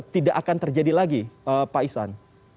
tidak akan terjadi lagi pak isan